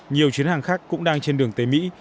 nhiều chuyến hàng khác cũng đang trên đường tới mỹ